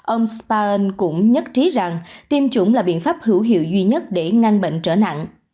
ông sparen cũng nhất trí rằng tiêm chủng là biện pháp hữu hiệu duy nhất để ngăn bệnh trở nặng